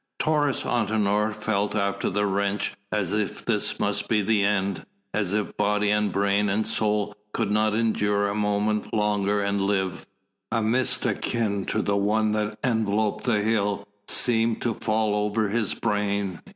Taurus Antinor felt after the wrench as if this must be the end, as if body and brain and soul could not endure a moment longer and live. A mist akin to the one that enveloped the hill seemed to fall over his brain.